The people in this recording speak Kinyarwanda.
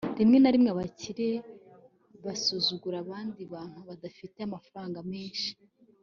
rimwe na rimwe abakire basuzugura abandi bantu badafite amafaranga menshi